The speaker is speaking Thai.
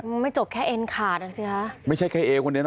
ไม่จบแค่เอ็นขาดอ่ะสิฮะไม่ใช่แค่เอคนเดียวนะ